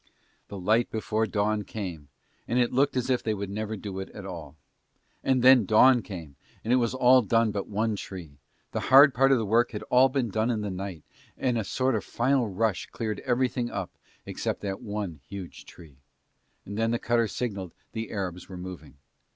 The light before dawn came and it looked as if they would never do it at all. And then dawn came and it was all done but one tree, the hard part of the work had all been done in the night and a sort of final rush cleared everything up except that one huge tree. And then the cutter signalled the Arabs were moving.